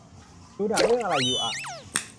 ดูหนังเรื่องอะไรอยู่อะ